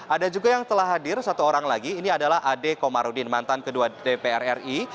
ada juga yang telah hadir satu orang lagi ini adalah ade komarudin mantan ketua dpr ri